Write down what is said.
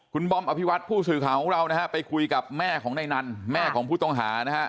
คุณบอมอภิวัตผู้สื่อข่าวของเรานะฮะไปคุยกับแม่ของนายนันแม่ของผู้ต้องหานะฮะ